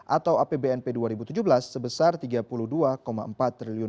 atau apbnp dua ribu tujuh belas sebesar rp tiga puluh dua empat triliun